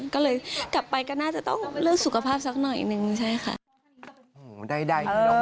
ก็เลยกลับไปก็น่าจะต้องเป็นเรื่องสุขภาพสักหน่อยหนึ่งใช่ค่ะ